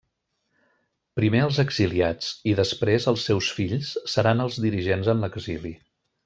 Primer els exiliats, i després els seus fills, seran els dirigents en l'exili.